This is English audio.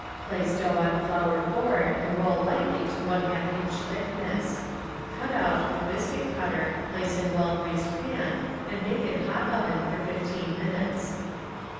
Place dough on floured board and roll lightly to 1/^ inch thickness. Cut out with biscuit cutter, place in well greased pan and bake in hot oven for 15 minutes.